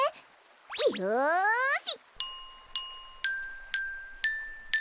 よし！